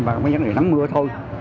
mà mới dẫn đến nắng mưa thôi